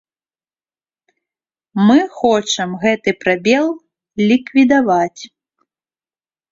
Мы хочам гэты прабел ліквідаваць.